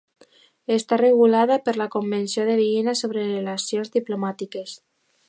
Està regulada per la Convenció de Viena sobre relacions diplomàtiques.